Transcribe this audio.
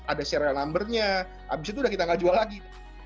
ada serial numbernya abis itu udah kita nggak jual lagi